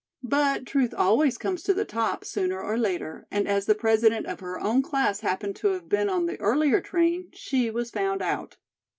But truth always comes to the top, sooner or later, and as the President of her own class happened to have been on the earlier train, she was found out.